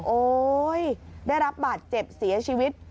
โอ๊ยได้รับบาดเจ็บเสียชีวิต